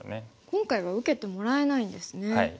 今回は受けてもらえないんですね。